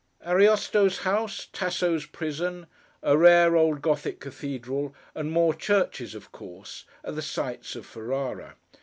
ARIOSTO'S house, TASSO'S prison, a rare old Gothic cathedral, and more churches of course, are the sights of Ferrara.